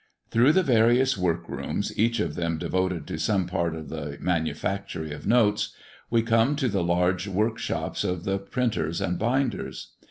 Through the various work rooms, each of them devoted to some part of the manufactory of notes, we come to the large work shops of the printers and binders.